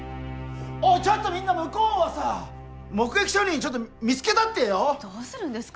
ちょっとみんな向こうはさ目撃証人見つけたってよどうするんですか？